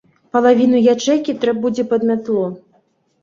Палавіну ячэйкі трэ будзе пад мятлу.